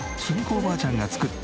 おばあちゃんが作ったお惣菜